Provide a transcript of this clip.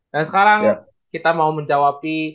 dan sekarang kita mau menjawab